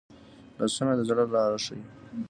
لاسونه د زړه لاره ښيي